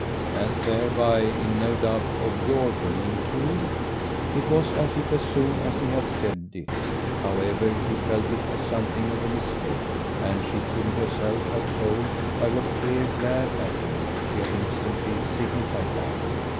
"And thereby in no doubt of YOUR being too?" It was as if as soon as he had said it, however, he felt it as something of a mistake, and she couldn't herself have told by what queer glare at him she had instantly signified that.